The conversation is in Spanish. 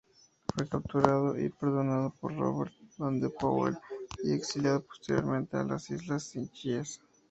Fue capturado y perdonado por Robert Baden-Powell y exiliado posteriormente a las islas Seychelles.